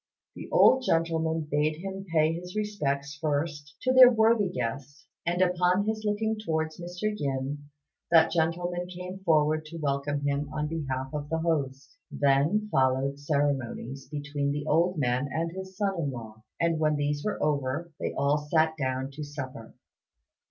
The old gentleman bade him pay his respects first to their worthy guest; and upon his looking towards Mr. Yin, that gentleman came forward to welcome him on behalf of the host. Then followed ceremonies between the old man and his son in law; and when these were over, they all sat down to supper.